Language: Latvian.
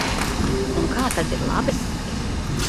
Un kā tad ir labi?